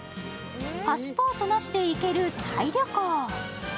パスポートなしで行けるタイ旅行。